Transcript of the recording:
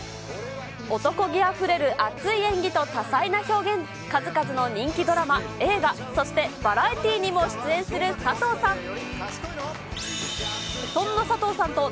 男気あふれる熱い演技と多彩な表現で、数々の人気ドラマ、映画、そしてバラエティーにも出演する佐藤さん。